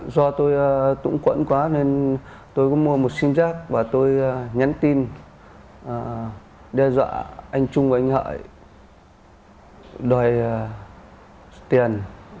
do tôi cũng quẫn quá nên tôi có mua một sim giác và tôi nhắn tin đe dọa anh trung và anh hợi đòi tiền